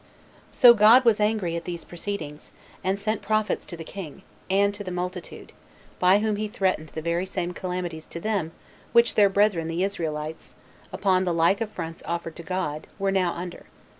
So God was angry at these proceedings, and sent prophets to the king, and to the multitude, by whom he threatened the very same calamities to them which their brethren the Israelites, upon the like affronts offered to God, were now under.